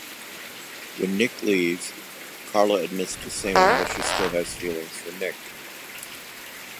When Nick leaves, Carla admits to Sam that she still has feelings for Nick.